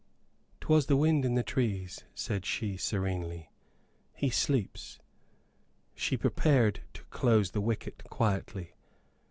_] "'Twas the wind in the trees," said she, serenely. "He sleeps." She prepared to close the wicket quietly.